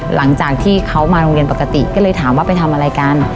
หลังจากที่เขามาโรงเรียนปกติก็เลยถามว่าไปทำอะไรกัน